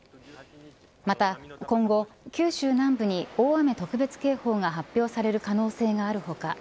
また、今後九州南部に大雨特別警報が発表される可能性がある他